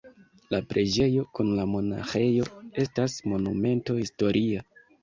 La preĝejo kun la monaĥejo estas Monumento historia.